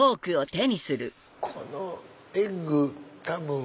このエッグ多分。